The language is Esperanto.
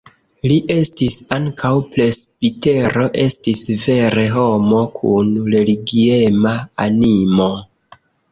Li estis ankaŭ presbitero, estis vere homo kun religiema animo.